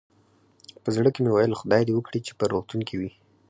په زړه کې مې ویل، خدای دې وکړي چې په روغتون کې وي.